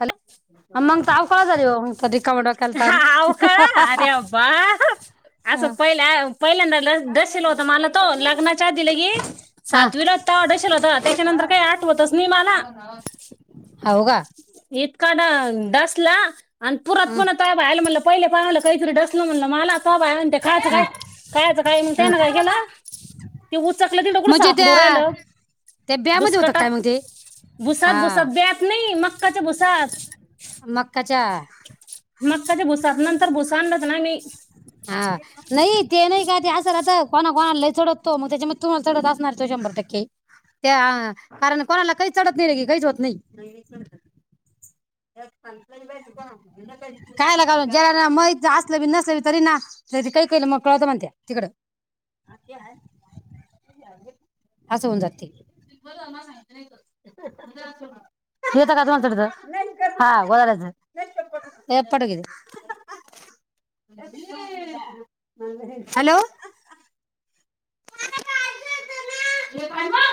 Hello [unintelligible] मग रिकामा डोक्याला हा ताण अव का अरे अबा असं पहिल्या पहिल्यांदा ल दसेल होत मला तो लग्नाच्या आधी ल की हा सातवीला दसेल होता त्याच्यानंतर काही आठवतस नाही मला. होऊ का? इथकाड डास ला आण पुरात हम्म [unintelligible] आयला म्हंटलं पहीले [unintelligible] कायतरी डसलं मला [unintelligible] ते खायचं काय? खायाच काइन हम्म त्यानं काय केलं? [unintelligible] चकलं त डोकरं म्हणजे सापडू राहिल त्या त्या ब्यामध्ये होत काय भुसकटात मग ते भुसात हा भुसात ब्यात नाही मग काय? ते भुसात मकाच्या तर भुस आणलच ना मी हा [unintelligible] नाही ते नाही का ते असं राहत कोणा कोणाला लई चढतो. मग त्याच्यामध्ये तुम्हाला चढत असणार. तो शंभर टक्के त्या कारण कोणाला काही चढत नाही? रे की काहीच होत नाही [unintelligible] काय लगा ज माह असलं नसल बी मकाच्या [unintelligible] हॅलो [unintelligible]